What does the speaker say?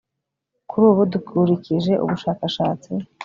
kuri ubu dukurikije ubushakashatsi